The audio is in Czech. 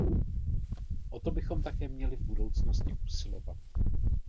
O to bychom také měli v budoucnosti usilovat.